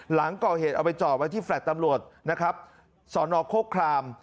หลังก่อเหตุเอาไปจอดไว้ที่แฟลต์ตำรวจนะครับสอนอโคคราม